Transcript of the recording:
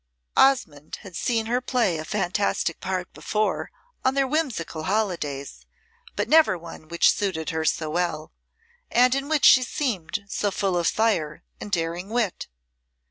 Osmonde had seen her play a fantastic part before on their whimsical holidays, but never one which suited her so well, and in which she seemed so full of fire and daring wit.